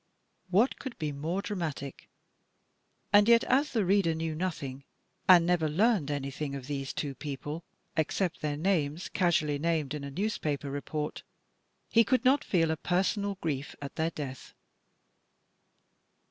What could be more dra matic? And yet as the reader knew nothing and never learned anytliing of these two people except their names, casually named in a newspaper report, he could not feel a personal grief at their death.